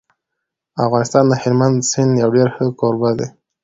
افغانستان د هلمند د سیند یو ډېر ښه کوربه دی.